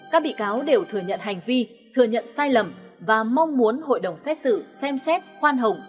các bị cáo đều thừa nhận hành vi thừa nhận sai lầm và mong muốn hội đồng xét xử xem xét khoan hồng